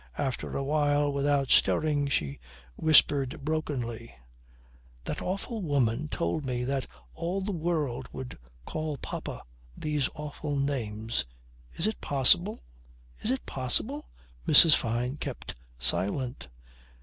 After a while, without stirring, she whispered brokenly: "That awful woman told me that all the world would call papa these awful names. Is it possible? Is it possible?" Mrs. Fyne kept silent.